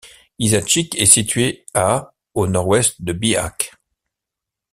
Izačić est situé à au nord-ouest de Bihać.